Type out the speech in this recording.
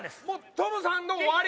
トムさんで終わり？